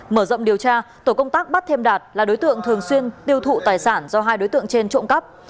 mở rộng điều tra tổ công tác bắt thêm đạt là đối tượng thường xuyên tiêu thụ tài sản do hai đối tượng trên trộm cắp